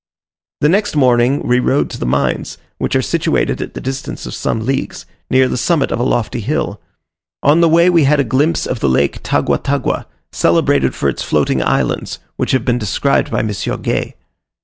The next morning we rode to the mines, which are situated at the distance of some leagues, near the summit of a lofty hill. On the way we had a glimpse of the lake Tagua tagua, celebrated for its floating islands, which have been described by M. Gay.